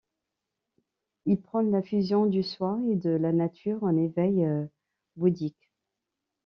Il prône la fusion du Soi et de la Nature, un Éveil bouddhique.